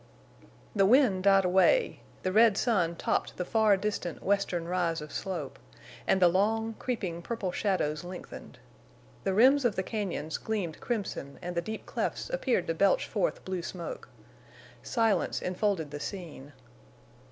The wind died away; the red sun topped the far distant western rise of slope; and the long, creeping purple shadows lengthened. The rims of the cañons gleamed crimson and the deep clefts appeared to belch forth blue smoke. Silence enfolded the scene.